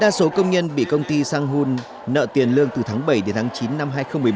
đa số công nhân bị công ty sang hun nợ tiền lương từ tháng bảy đến tháng chín năm hai nghìn một mươi bảy